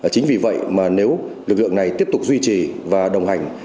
chính vì vậy mà nếu lực lượng này tiếp tục duy trì và đồng hành